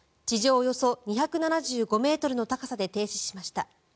およそ２７５ｍの高さで停止しました。